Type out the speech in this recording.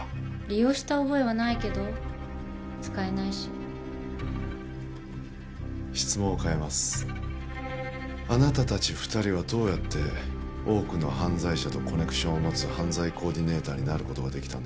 利用した覚えはないけど使えないし質問を変えますあなた達二人はどうやって多くの犯罪者とコネクションを持つ犯罪コーディネーターになることができたんですか？